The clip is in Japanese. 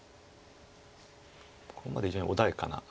ここまで非常に穏やかな。